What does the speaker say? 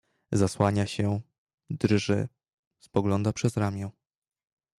"Zasłania się, drży, spogląda przez ramię."